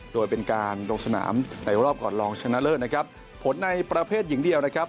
โดยเป็นการลงสนามในรอบก่อนรองชนะเลิศนะครับผลในประเภทหญิงเดียวนะครับ